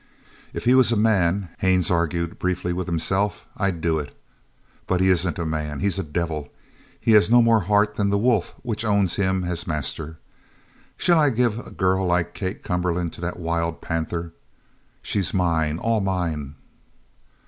"If he was a man," Haines argued briefly with himself, "I'd do it. But he isn't a man. He's a devil. He has no more heart than the wolf which owns him as master. Shall I give a girl like Kate Cumberland to that wild panther? She's mine all mine!"